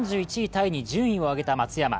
タイに順位を上げた松山。